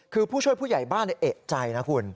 คือผู้ช่วยผู้ใหญ่บ้านเอกใจนะคุณ